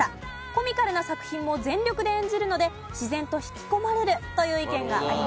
コミカルな作品も全力で演じるので自然と引き込まれるという意見がありました。